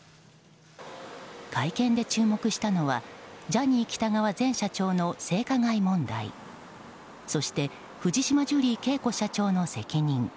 会見で注目したのはジャニー喜多川前社長の性加害問題、そして藤島ジュリー景子社長の責任。